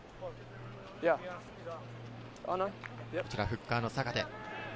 こちらフッカーの坂手。